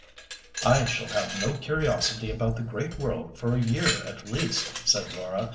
"I shall have no curiosity about the great world for a year at least," said Laura.